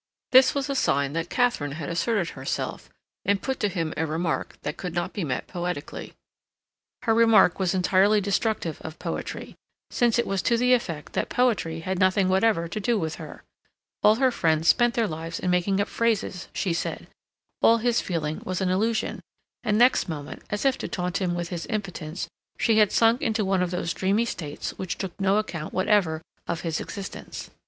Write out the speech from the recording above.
This was a sign that Katharine had asserted herself and put to him a remark that could not be met poetically. Her remark was entirely destructive of poetry, since it was to the effect that poetry had nothing whatever to do with her; all her friends spent their lives in making up phrases, she said; all his feeling was an illusion, and next moment, as if to taunt him with his impotence, she had sunk into one of those dreamy states which took no account whatever of his existence.